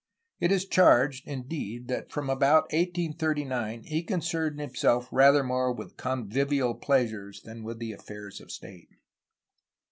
It is charged, indeed, that from about 1839 he concerned himself rather more with convivial pleasures than with affairs of state.